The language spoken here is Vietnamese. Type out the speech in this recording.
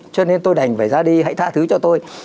cho nên tôi đành phải ra đi hãy tha thứ cho tôi